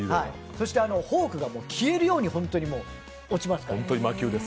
そしてフォークが消えるように落ちますから。